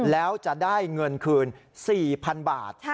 แล้วจะได้เงินคืน๔๐๐๐บาท